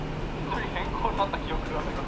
セトリ変更になった記憶が。